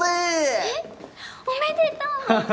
えっおめでとう！